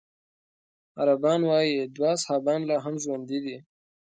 عربان وايي دوه اصحابان لا هم ژوندي دي.